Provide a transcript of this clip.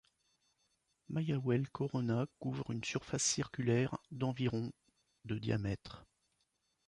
Mayauel Corona couvre une surface circulaire d'environ de diamètre.